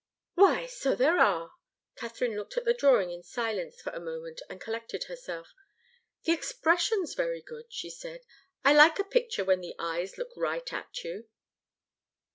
"Why, so there are!" Katharine looked at the drawing in silence for a moment and collected herself. "The expression's very good," she said. "I like a picture when the eyes look right at you."